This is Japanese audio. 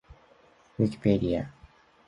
ウィキペディア